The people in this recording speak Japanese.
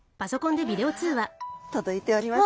あっ届いておりますね。